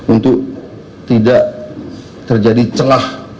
untuk tidak terjadi celah